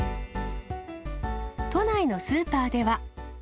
都内のスーパーでは。